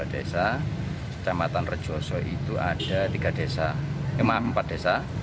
kemudian di kecamatan rejoso ada empat desa